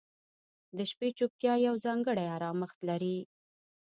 • د شپې چوپتیا یو ځانګړی آرامښت لري.